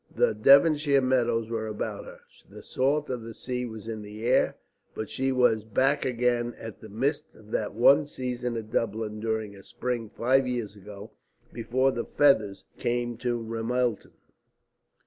The Devonshire meadows were about her, the salt of the sea was in the air, but she was back again in the midst of that one season at Dublin during a spring five years ago, before the feathers came to Ramelton.